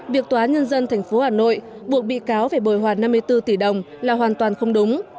việc tòa án nhân dân tp hà nội buộc bị cáo phải bồi hoàn năm mươi bốn tỷ đồng là hoàn toàn không đúng